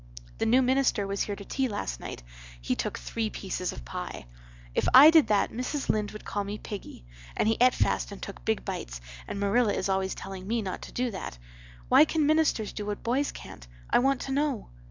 "The new minister was here to tea last night. He took three pieces of pie. If I did that Mrs. Lynde would call me piggy. And he et fast and took big bites and Marilla is always telling me not to do that. Why can ministers do what boys can't? I want to know.